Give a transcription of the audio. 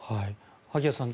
萩谷さん